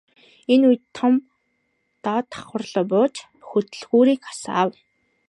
Энэ үед Том доод давхарруу бууж хөдөлгүүрийг асаав.